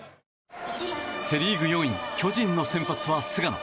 セ・リーグ４位巨人の先発は菅野。